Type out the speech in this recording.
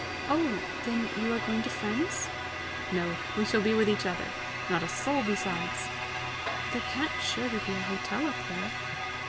"Oh, then, you are going to friends!" "No; we shall be with each other not a soul besides." "There can't surely be a hotel up there?"